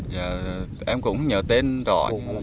dạ em cũng nhớ tên rõ